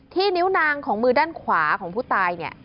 นิ้วนางของมือด้านขวาของผู้ตายเนี่ย